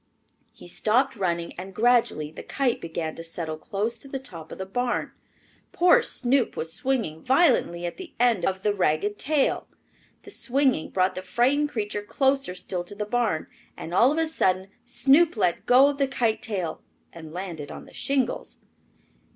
He stopped running and gradually the kite began to settle close to the top of the barn. Poor Snoop was swinging violently at the end of the ragged tail. The swinging brought the frightened creature closer still to the barn, and all of a sudden Snoop let go of the kite tail and landed on the shingles.